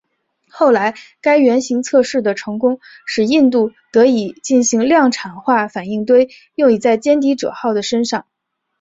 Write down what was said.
后来该原型测试的成功使印度得以进行量产化反应堆以用在歼敌者号的身上。